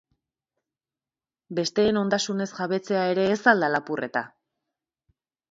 Besteen ondasunez jabetzea ere ez al da lapurreta?